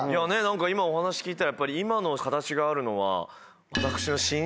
今お話聞いたら今の形があるのは。